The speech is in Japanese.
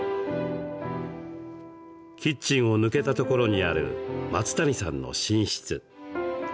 キッチンを抜けたところにある松谷さんの寝室。